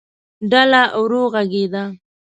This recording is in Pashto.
ډله ورو غږېده.